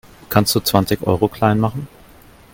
Kannst du zwanzig Euro klein machen?